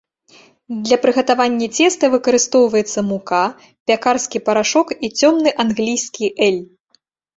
Для прыгатавання цеста выкарыстоўваецца мука, пякарскі парашок і цёмны англійскі эль.